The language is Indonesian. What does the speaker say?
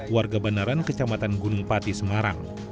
warga banaran kecamatan gunung pati semarang